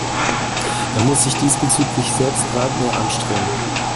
Er muss sich diesbezüglich selbst weit mehr anstrengen.